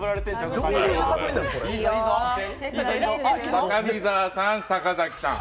高見沢さん、坂崎さん。